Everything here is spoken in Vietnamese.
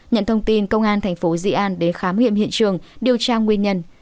nhận thông tin công an thành phố di an để khám nghiệm hiện trường điều tra nguyên nhân